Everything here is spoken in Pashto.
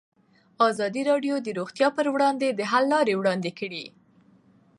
ازادي راډیو د روغتیا پر وړاندې د حل لارې وړاندې کړي.